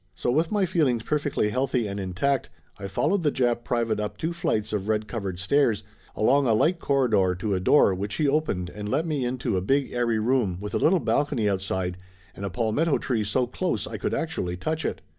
So with my feelings per fectly healthy and intact, I followed the Jap private up two flights of red covered stairs, along a light cor ridor to a door which he opened and let me into a big airy room with a little balcony outside, and a pal metto tree so close I could actually touch it!